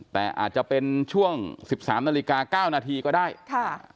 แต่อาจจะเป็นช่วงสิบสามนาฬิกาเก้านาทีก็ได้ค่ะ